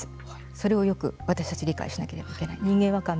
それをよく私たち理解しなければいけない。